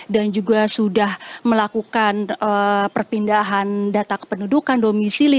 dan juga sudah melakukan perpindahan data kependudukan domisili